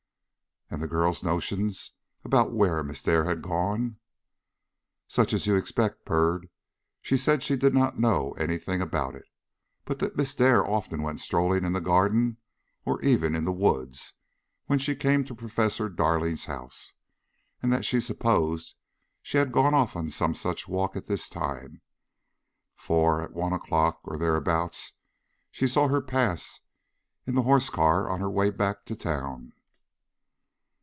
"And the girl's notions about where Miss Dare had gone?" "Such as you expect, Byrd. She said she did not know any thing about it, but that Miss Dare often went strolling in the garden, or even in the woods when she came to Professor Darling's house, and that she supposed she had gone off on some such walk at this time, for, at one o'clock or thereabouts, she saw her pass in the horse car on her way back to the town."